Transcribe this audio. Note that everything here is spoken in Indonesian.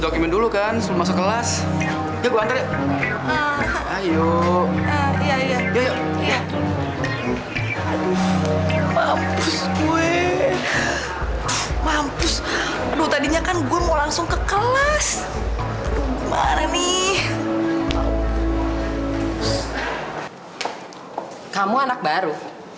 kamu anak baru